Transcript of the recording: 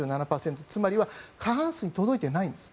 つまりは過半数に届いてないんです。